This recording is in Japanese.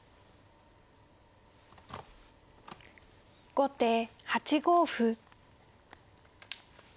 後手８五歩。